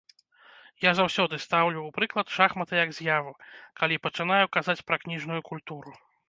Я заўсёды стаўлю ў прыклад шахматы як з'яву, калі пачынаю казаць пра кніжную культуру.